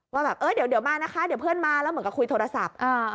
ว่าแบบเออเดี๋ยวมานะคะเดี๋ยวเพื่อนมาแล้วเหมือนกับคุยโทรศัพท์